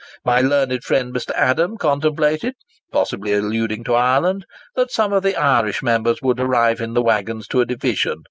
My learned friend, Mr. Adam, contemplated—possibly alluding to Ireland—that some of the Irish members would arrive in the waggons to a division.